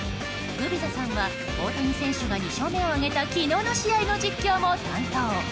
グビザさんは大谷選手が２勝目を挙げた昨日の試合の実況も担当。